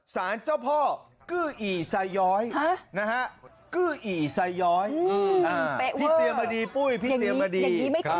สารเจ้าพ่อกื้ออีสายอยพี่เตรียมมาดีปุ้ยพี่เตรียมมาดี